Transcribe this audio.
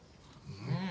うん。